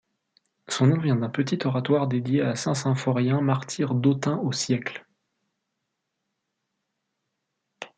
Son nom vient d'un petit oratoire dédié à saint Symphorien Martyr d’Autun au siècle.